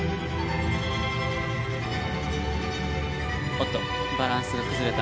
おっとバランスが崩れた。